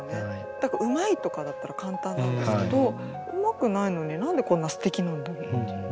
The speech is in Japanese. だから「うまい」とかだったら簡単なんですけど「うまくないのに何でこんなすてきなんだろう？」っていう。